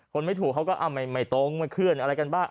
ไม่ถูกเขาก็ไม่ตรงไม่เคลื่อนอะไรกันบ้าง